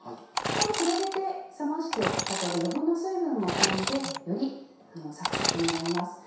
ここで広げて冷ましておくことで余分な水分も飛んでよりサクサクになります。